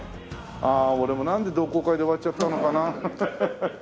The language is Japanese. ああ俺もなんで同好会で終わっちゃったのかな。